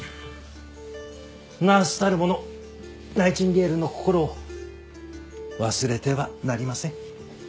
ナースたる者ナイチンゲールの心を忘れてはなりません。